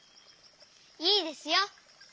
いいですよ。